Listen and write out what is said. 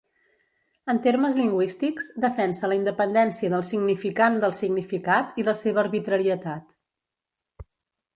En termes lingüístics, defensa la independència del significant del significat i la seva arbitrarietat.